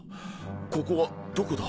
ここはどこだ？